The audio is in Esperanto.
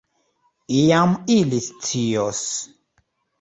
Iam ili scios.